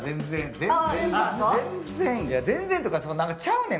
全然とかちゃうねん。